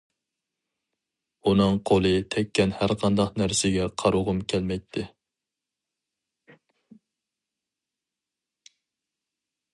ئۇنىڭ قولى تەككەن ھەر قانداق نەرسىگە قارىغۇم كەلمەيتتى.